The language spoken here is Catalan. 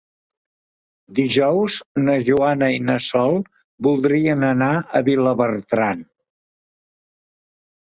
Dijous na Joana i na Sol voldrien anar a Vilabertran.